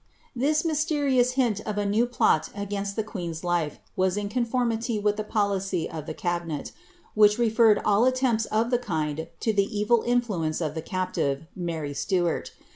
This mysterious hint of a new plot aj^ainst the queen's life was in conformity with the policy of tlie cabinet, which referred all attempts of the kind to the evil influence of the captive, Mary Stuart.